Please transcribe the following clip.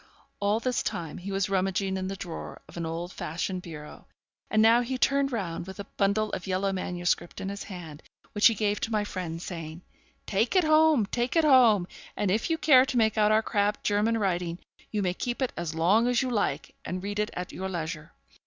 All this time he was rummaging in the drawer of an old fashioned bureau, and now he turned round, with a bundle of yellow MSS. in his hand, which he gave to my friend, saying, 'Take it home, take it home, and if you care to make out our crabbed German writing, you may keep it as long as you like, and read it at your leisure.